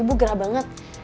ibu gerah banget